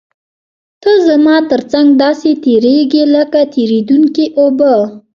ته زما تر څنګ داسې تېرېږې لکه تېرېدونکې اوبه.